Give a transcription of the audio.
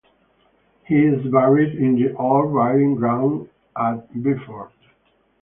He is buried in the Old Burying Ground at Beaufort.